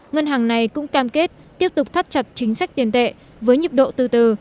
ngân hàng này cũng cam kết tiếp tục thắt chặt chính sách tiền tệ với nhịp độ từ từ